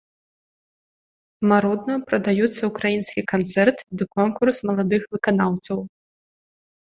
Марудна прадаюцца ўкраінскі канцэрт ды конкурс маладых выканаўцаў.